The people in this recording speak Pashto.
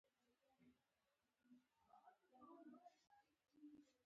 قدرت د طوفانونو او زلزلو کنټرول لري.